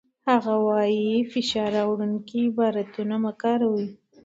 هغه وايي، فشار راوړونکي عبارتونه مه کاروئ.